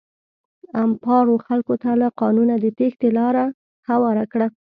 امپارو خلکو ته له قانونه د تېښتې لاره هواره کړه.